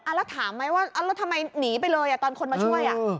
แล้วถามไหมว่าแล้วทำไมหนีไปเลยตอนคนมาช่วย